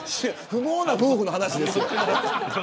不毛な夫婦の話ですよ。